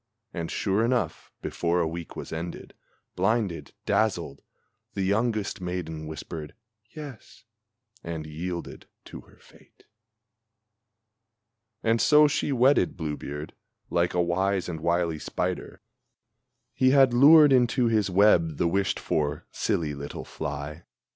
And, sure enough, before a week was ended, blinded, dazzled, The youngest maiden whispered "yes," and yielded to her fate. And so she wedded Blue beard like a wise and wily spider He had lured into his web the wished for, silly little fly!